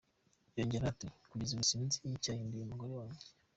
Yongeraho ati: “Kugeza ubu sinzi icyahinduye umugore wanjye.